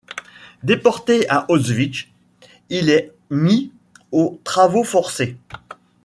Déporté à Auschwitz, il est mis aux travaux forcés.